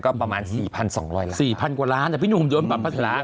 ก็ประมาณ๔๒๐๐ล้านบาท